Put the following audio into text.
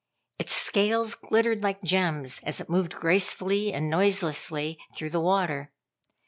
Its scales glittered like gems as it moved gracefully and noiselessly through the water.